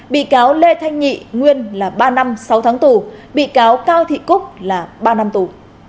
bị cáo lê thanh nhị nguyên là ba năm sáu tháng tù bị cáo cao thị cúc là ba năm tù